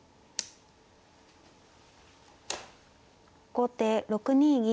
後手６二銀。